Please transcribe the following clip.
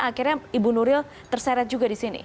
akhirnya ibu nuril terseret juga di sini